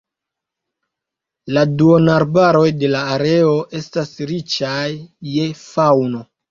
La duonarbaroj de la areo estas riĉaj je faŭno.